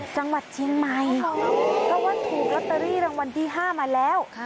จังหวัดเชียงใหม่เพราะว่าถูกลอตเตอรี่รางวัลที่๕มาแล้ว